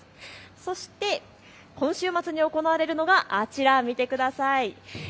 そして今週末に行われるのがあちら、見てください。